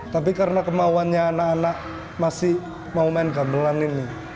tapi karena kemauannya anak anak masih mau main gamelan ini